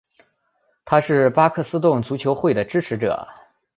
他是巴克斯顿足球会的支持者。